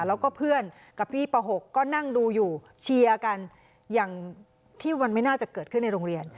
แล้วก็เพื่อนกับพี่ป๖ก็นั่งดูอยู่เชียร์กันอย่างที่มันไม่น่าจะเกิดขึ้นในโรงเรียน